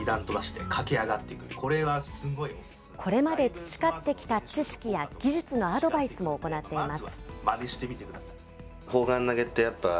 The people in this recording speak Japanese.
培ってきた知識や技術のアドバイスも行っています。